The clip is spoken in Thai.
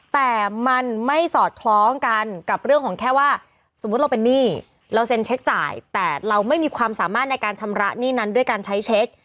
แต่มันไม่สอดคล้องกันกับเรื่องของแค่ว่าสมมุติเราเป็นหนี้เราเซ็นเช็คจ่ายแต่เราไม่มีความสามารถในการชำระหนี้นั้นด้วยการใช้เช็ค